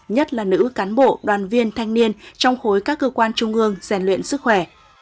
nhất là nữ cán bộ đoàn viên thanh niên trong khối các cơ quan trung ương rèn luyện sức khỏe